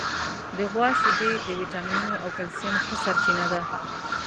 د غوا شیدې د وټامینونو او کلسیم ښه سرچینه ده.